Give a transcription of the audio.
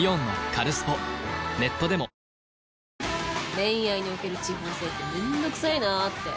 恋愛における地方性って面倒くさいなって。